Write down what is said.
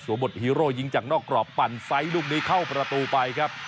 บทฮีโร่ยิงจากนอกกรอบปั่นไซส์ลูกนี้เข้าประตูไปครับ